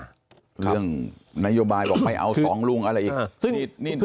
เรื่องนโยบายบอกไปเอาสองลุงอะไรอีก